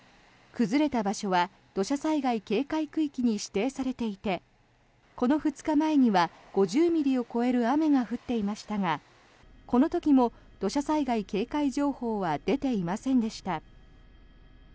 崩れた場所は土砂災害警戒区域に指定されていてこの２日前には５０ミリを超える雨が降っていましたがこの時も土砂災害警戒情報は出ていませんでした。